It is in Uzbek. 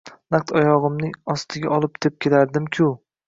Naq oyog'imning ostigaolib tepkilardimku.